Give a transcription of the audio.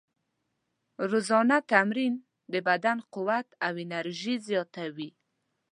روزانه تمرین د بدن قوت او انرژي زیاتوي.